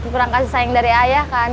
kurang kasih sayang dari ayah kan